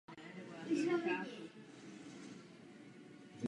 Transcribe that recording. Obec leží na jihovýchodní části Nitranské pahorkatiny na terase a údolí řeky Nitry.